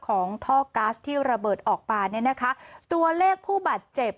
ของท่อก๊าซที่ระเบิดออกมาเนี่ยนะคะตัวเลขผู้บาดเจ็บ